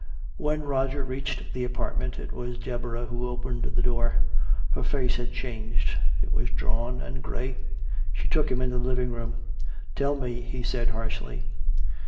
When Roger reached the apartment, it was Deborah who opened the door. Her face had changed, it was drawn and gray. She took him into the living room. "Tell me," he said harshly.